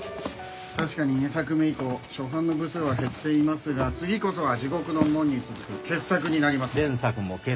確かに２作目以降初版の部数は減っていますが次こそは『地獄の門』に続く傑作になりますので。